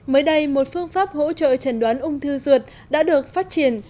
mới đây một phương pháp hỗ trợ trần đoán ung thư ruột đã được phát triển